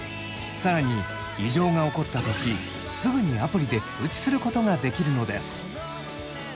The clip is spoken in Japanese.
更に異常が起こった時すぐにアプリで通知することができるのです。